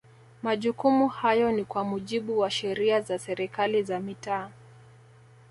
Majukumu hayo ni kwa mujibu wa Sheria za serikali za mitaa